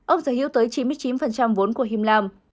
ông sở hữu tới chín mươi chín vốn của him lam